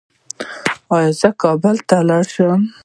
ایا زه کابل ته لاړ شم؟